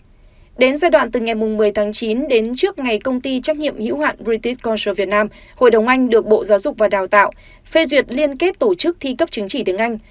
trong đó giai đoạn từ ngày một mươi chín đến trước ngày công ty trách nhiệm hiếu hạn british cultural vietnam hội đồng anh được bộ giáo dục và đào tạo phê duyệt liên kết tổ chức thi cấp chứng chỉ tiếng anh